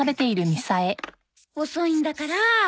遅いんだから。